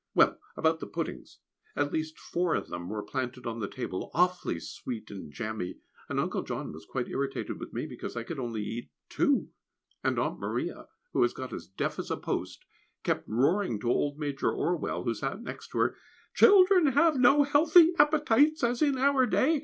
Well, about the puddings at least four of them were planted on the table, awfully sweet and jammy, and Uncle John was quite irritated with me because I could only eat two; and Aunt Maria, who has got as deaf as a post, kept roaring to old Major Orwell, who sat next her, "Children have no healthy appetites as in our day.